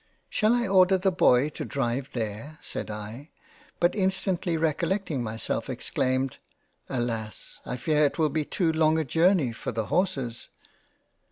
" Shall I order the Boy to drive there ?" said I — but instantly recollecting myself, exclaimed, 14 Alas I fear it will be too long a Journey for the Horses."